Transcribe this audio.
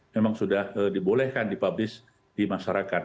memang sudah dibolehkan dipublis di masyarakat